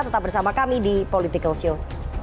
tetap bersama kami di political show